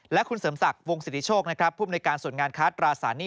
และคุณเสริมสักค์วงสิทธิโชคพูดอำนวยการส่วนงานค้าตราสานี่